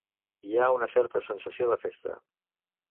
Hi ha una certa sensació de festa.